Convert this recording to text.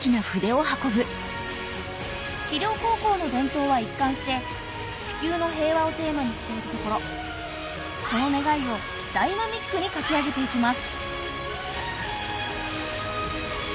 葵陵高校の伝統は一貫して地球の平和をテーマにしているところその願いをダイナミックに書き上げていきます